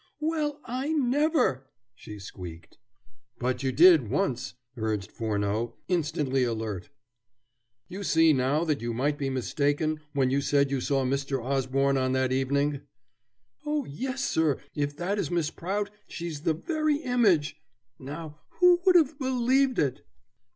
"Well, I never!" she squeaked. "But you did, once," urged Furneaux, instantly alert. "You see now that you might be mistaken when you said you saw Mr. Osborne on that evening?" "Oh, yes, sir; if that is Miss Prout she's the very image Now, who would have believed it?"